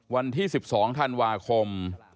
วันที่๑๒ธันวาคม